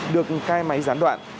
được cai máy gián đoạn